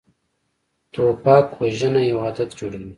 توپک وژنه یو عادت جوړوي.